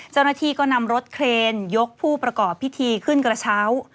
เจ้าหน้าที่ก็นำรถเครนยกผู้ประกอบพิธีขึ้นกระเช้า